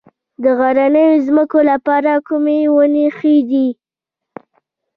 د غرنیو ځمکو لپاره کومې ونې ښې دي؟